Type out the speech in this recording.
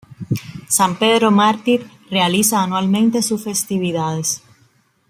San Pedro Mártir realiza anualmente sus festividades.